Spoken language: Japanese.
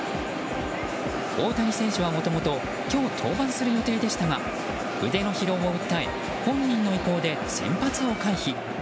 大谷選手はもともと今日登板する予定でしたが腕の疲労を訴え本人の意向で先発を回避。